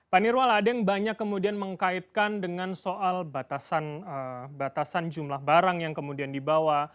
pak nirwal ada yang banyak kemudian mengkaitkan dengan soal batasan jumlah barang yang kemudian dibawa